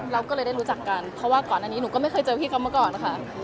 เราก็เลยได้รู้จักกันเพราะว่าก่อนอันนี้หนูก็ไม่เคยเจอพี่เขามาก่อนค่ะ